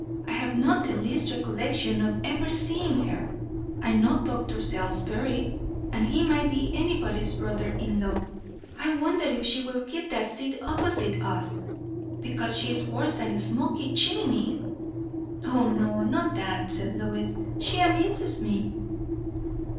I have not the least recollection of ever seeing her. I know Dr. Salisbury and he might be anybody's brother in law. I wonder if she will keep that seat opposite us? Because she is worse than a smoky chimney!" "O no, not that," said Lois. "She amuses me."